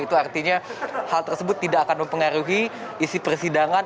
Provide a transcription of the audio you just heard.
itu artinya hal tersebut tidak akan mempengaruhi isi persidangan